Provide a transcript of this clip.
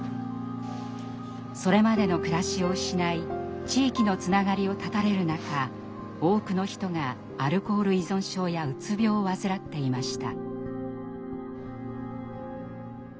それまでの暮らしを失い地域のつながりを断たれる中多くの人がアルコール依存症やうつ病を患っていました。